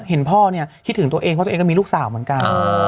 เห็นพ่อเนี่ยคิดถึงตัวเองเพราะตัวเองก็มีลูกสาวเหมือนกัน